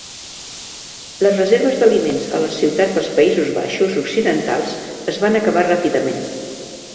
Les reserves d'aliments a les ciutats dels Països Baixos occidentals es van acabar ràpidament.